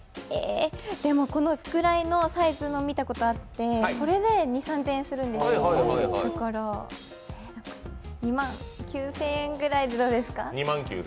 でもこのくらいのサイズを見たことがあって、これで２０００３０００円するんでだから２万９０００円ぐらいでどうですか？